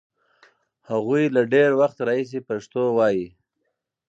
هغوی له ډېر وخت راهیسې پښتو لولي.